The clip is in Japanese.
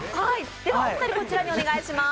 ではお二人、こちらにお願いします